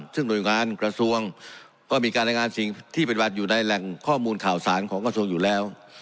ซึ่งหน่วยงานกระทรวงก็มีการรายงานสิ่งที่ปฏิบัติอยู่ในแหล่งข้อมูลข่าวสารของกระทรวงอยู่แล้ว